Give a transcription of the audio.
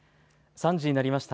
３時になりました。